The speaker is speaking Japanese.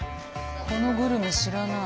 このグルメ知らない。